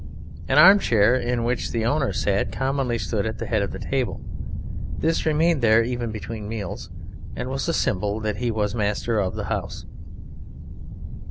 An arm chair (in which the Owner sat) commonly stood at the head of the table; this remained there even between meals, and was a symbol that he was master of the house.